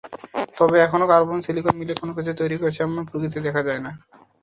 তবে এখনও কার্বন-সিলিকন মিলে কোনো কিছু তৈরী করেছে এমনটা প্রকৃতিতে দেখা যায় না।